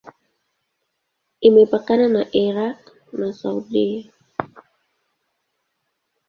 Imepakana na Irak na Saudia.